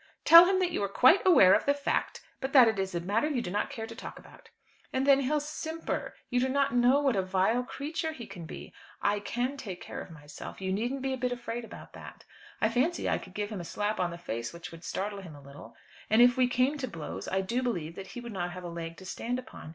"Tell him that you are quite aware of the fact, but that it is a matter you do not care to talk about." "And then he'll simper. You do not know what a vile creature he can be. I can take care of myself. You needn't be a bit afraid about that. I fancy I could give him a slap on the face which would startle him a little. And if we came to blows, I do believe that he would not have a leg to stand upon.